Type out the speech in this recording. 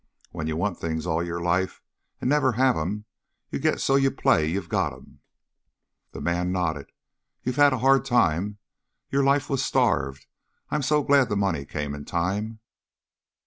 When you want things all your life an' never have 'em, you get so you play you've got 'em." The man nodded. "You had a hard time. Your life was starved. I'm so glad the money came in time."